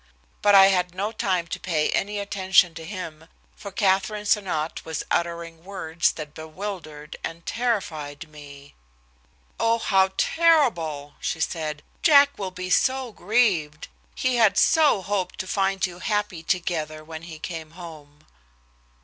But I had no time to pay any attention to him, for Katherine Sonnot was uttering words that bewildered and terrified me. "Oh! how terrible!" she said. "Jack will be so grieved. He had so hoped to find you happy together when he came home."